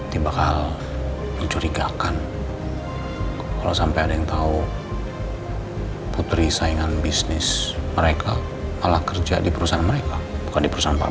di bakal mencurigakan kalau sampai ada yang tahu putri saingan bisnis mereka malah kerja di perusahaan mereka bukan di perusahaan pariwisata